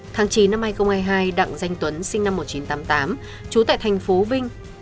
tháng chín năm hai nghìn hai mươi hai đặng danh tuấn sinh năm một nghìn chín trăm tám mươi tám trú tại thành phố vinh